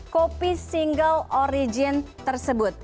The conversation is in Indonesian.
kopi single origin tersebut